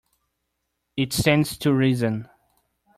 It stands to reason.